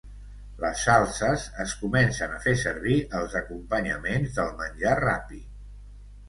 Les salses es comencen a fer servir als acompanyaments del menjar ràpid.